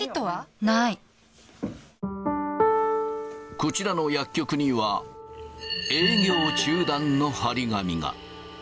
こちらの薬局には、営業中断の張り紙が。